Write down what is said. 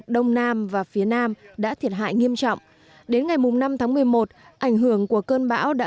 đông nam và phía nam đã thiệt hại nghiêm trọng đến ngày năm tháng một mươi một ảnh hưởng của cơn bão đã